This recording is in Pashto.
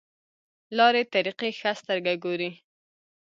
لارې طریقې ښه سترګه ګوري.